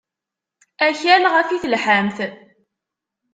Akal ɣef i telḥam.